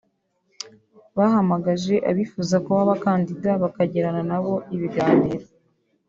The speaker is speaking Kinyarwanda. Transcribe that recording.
bahamagaje abifuza kuba abakandida bakagirana nabo ibiganiro